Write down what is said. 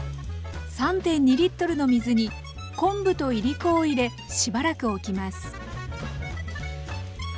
３．２の水に昆布といりこを入れしばらくおきます。